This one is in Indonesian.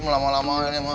neng lama lama ini mah